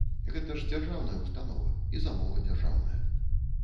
Гэта ж дзяржаўная ўстанова і замова дзяржаўная.